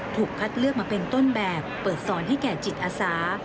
ถูกคัดเลือกมาเป็นต้นแบบเปิดสอนให้แก่จิตอาสา